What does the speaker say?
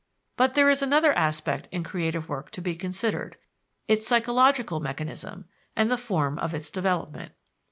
But there is another aspect in creative work to be considered its psychological mechanism, and the form of its development.